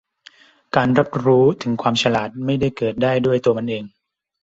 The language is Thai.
การรับรู้ถึงความฉลาดไม่ได้เกิดได้ด้วยตัวมันเอง